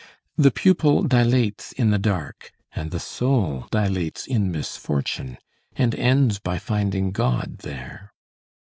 The pupil dilates in the dark, and the soul dilates in misfortune and ends by finding God there.